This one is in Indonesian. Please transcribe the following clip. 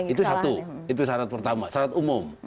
itu satu itu syarat pertama syarat umum